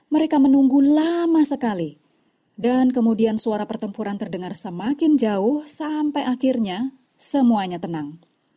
mereka menunggu lama sekali dan kemudian suara pertempuran terdengar semakin jauh sampai akhirnya semuanya tenang